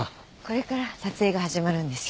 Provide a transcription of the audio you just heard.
これから撮影が始まるんですよ。